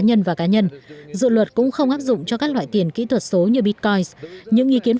nhân và cá nhân dự luật cũng không áp dụng cho các loại tiền kỹ thuật số như bitcoin những ý kiến